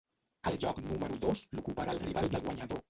El lloc número dos l’ocuparà el rival del guanyador.